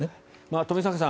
冨坂さん